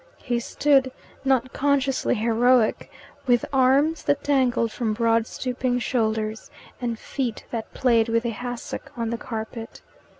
He stood, not consciously heroic, with arms that dangled from broad stooping shoulders, and feet that played with a hassock on the carpet.